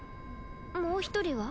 もう一人は？